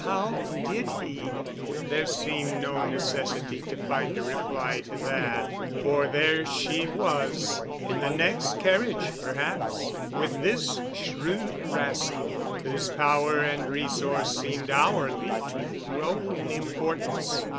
"How did he——?" There seemed no necessity to find a reply to that, for there she was, in the next carriage, perhaps, with this shrewd rascal, whose power and resource seemed hourly to grow in importance.